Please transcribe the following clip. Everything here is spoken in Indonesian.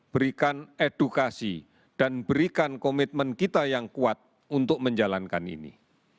berikan edukasi dan berikan komitmen kita yang kuat untuk menjalankan ini